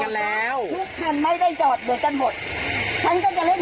ไม่ได้ผิดอะไรพี่โทษค่ะมันจะเป็นอะไรที่ผมจะต้องขยับฮะ